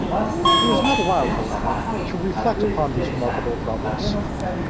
He was not allowed, however, to reflect upon these remarkable problems.